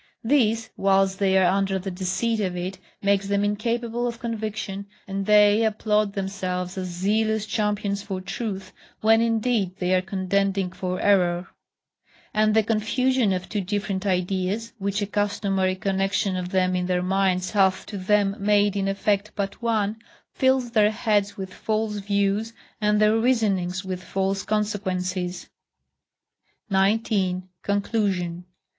This, whilst they are under the deceit of it, makes them incapable of conviction, and they applaud themselves as zealous champions for truth, when indeed they are contending for error; and the confusion of two different ideas, which a customary connexion of them in their minds hath to them made in effect but one, fills their heads with false views, and their reasonings with false consequences. 19. Conclusion.